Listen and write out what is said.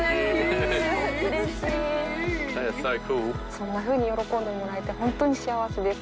そんなふうに喜んでもらえて本当に幸せです。